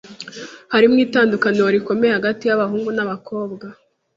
Hariho itandukaniro rikomeye hagati yabahungu nabakobwa.